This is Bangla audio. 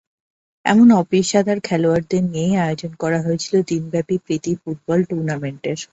এমন অপেশাদার খেলোয়াড়দের নিয়েই আয়োজন করা হয়েছিল দিনব্যাপী প্রীতি ফুটবল টুর্নামেন্টের।